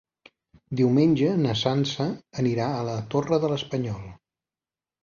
Diumenge na Sança anirà a la Torre de l'Espanyol.